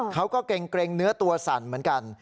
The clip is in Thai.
เขาก็เกร็งเนื้อตัวสั่นเหมือนกัน